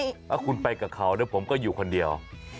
ถ้าคุณไปกับเขาผมก็อยู่คนเดียว